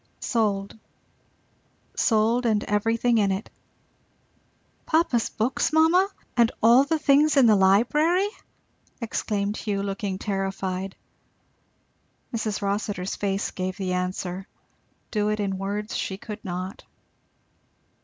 "Sold sold, and everything in it." "Papa's books, mamma! and all the things in the library!" exclaimed Hugh, looking terrified. Mrs. Rossitur's face gave the answer; do it in words she could not.